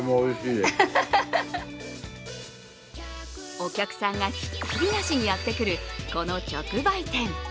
お客さんがひっきりなしにやってくる、この直売店。